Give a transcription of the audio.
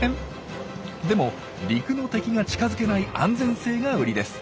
でも陸の敵が近づけない安全性がウリです。